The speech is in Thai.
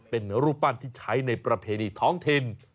เป็นรูปปั้นที่ใช้ในประเพณีท้องถิ่น